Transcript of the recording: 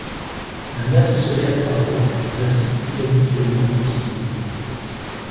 La masse solaire par an est ainsi plus habituellement utilisée.